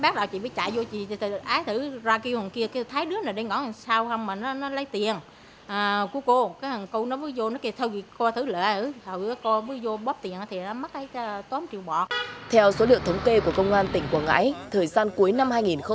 theo số liệu thống kê của công an tỉnh quảng ngãi thời gian cuối năm hai nghìn hai mươi ba